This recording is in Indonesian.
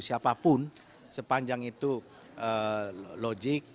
siapapun sepanjang itu logik